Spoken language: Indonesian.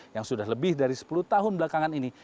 yang sudah lebih dari sepuluh tahun belakangan ini